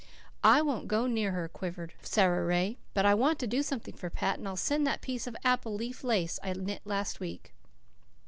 "I won't go near her," quavered Sara Ray, "but I want to do something for Pat, and I'll send that piece of apple leaf lace I knit last week."